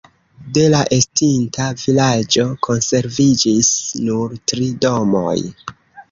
De la estinta vilaĝo konserviĝis nur tri domoj.